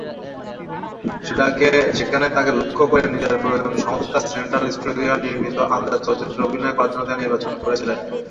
সেখানে তাঁকে লক্ষ্য করে নিজের প্রযোজনা সংস্থা সেন্ট্রাল স্টুডিও দ্বারা নির্মিত "আন্দাজ" চলচ্চিত্রে অভিনয়ের জন্য তাঁকে নির্বাচন করেছিলেন।